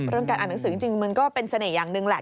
การอ่านหนังสือจริงมันก็เป็นเสน่ห์อย่างหนึ่งแหละ